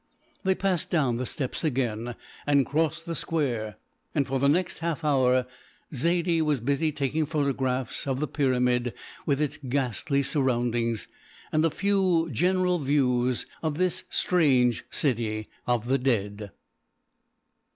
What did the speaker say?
They passed down the steps again and crossed the square, and for the next half hour Zaidie was busy taking photographs of the pyramid with its ghastly surroundings, and a few general views of this strange City of the Dead.